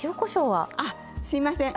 はいすいません。